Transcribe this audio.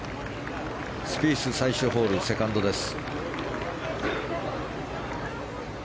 スピース、最終ホールセカンドです。